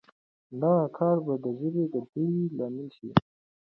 دغه کار به د ژبې د ودې لامل شي.